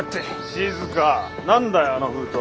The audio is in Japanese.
静何だよあの封筒。